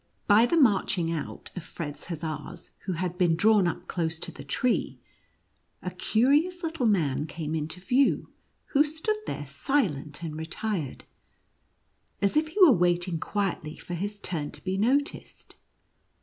By the marching out of Fred's hussars, who had been drawn up close to the tree, a curious little man came into view, who stood there silent and retired, as if he were waiting quietly for his turn to be noticed.